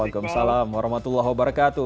waalaikumsalam warahmatullahi wabarakatuh